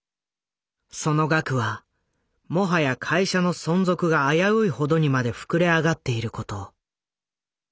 その額はもはや会社の存続が危ういほどにまで膨れ上がっていること。